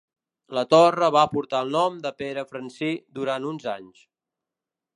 La torre va portar el nom de Pere Francí durant uns anys.